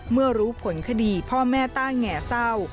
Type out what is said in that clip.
เมื่อรู้ผลคดีพ่อแม่ต้าแง่เศร้า